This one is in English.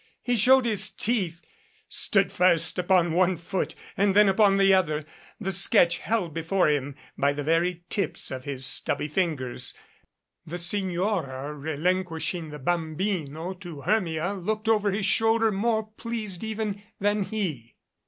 He showed his teeth, and stood first upon one foot and then upon the other, the sketch held before him by the very tips of his stubby fingers. The Signora, relinquishing the bambino to Her mia, looked over his shoulder, more pleased, even, than he.